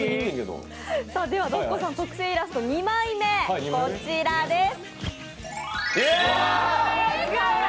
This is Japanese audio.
ｄｏｃｃｏさん特製イラスト２枚目、こちらです。